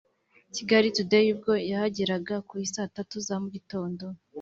Kigali Today ubwo yahageraga ku i saa tatu za mu gitondo